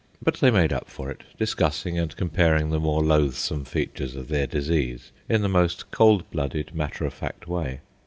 But they made up for it, discussing and comparing the more loathsome features of their disease in the most cold blooded, matter of fact way.